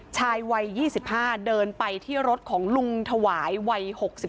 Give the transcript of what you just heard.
ชายวัย๒๕เดินไปที่รถของลุงถวายวัย๖๒